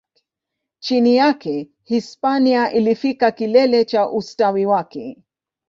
Chini yake, Hispania ilifikia kilele cha ustawi wake.